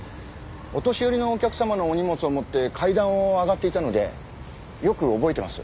お年寄りのお客様のお荷物を持って階段を上がっていたのでよく覚えてます。